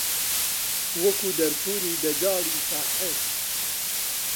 وەکوو دەرچوونی دەجاڵی ساحیر